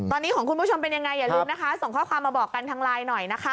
ตอนนี้ของคุณผู้ชมเป็นยังไงอย่าลืมนะคะส่งข้อความมาบอกกันทางไลน์หน่อยนะคะ